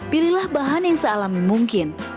pilihlah bahan yang sealami mungkin